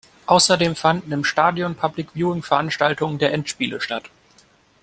Außerdem fanden im Stadion Public-Viewing-Veranstaltungen der Endspiele statt.